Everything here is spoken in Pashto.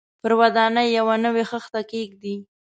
پر ودانۍ یوه نوې خښته کېږدي.